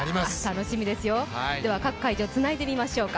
楽しみですよ、各会場つないでみましょうか。